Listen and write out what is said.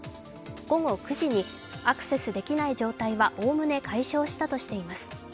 午後９時にアクセスできない状態は概ね解消したとしています。